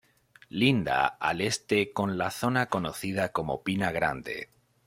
Linda al este con la zona conocida como Pina Grande.